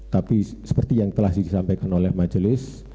tapi seperti yang telah disampaikan oleh majelis